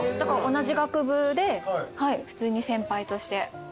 同じ学部で普通に先輩として会って。